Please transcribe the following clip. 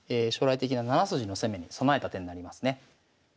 将来的な７筋の攻めに備えた手になりますね。